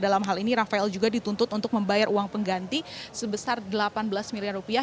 dalam hal ini rafael juga dituntut untuk membayar uang pengganti sebesar delapan belas miliar rupiah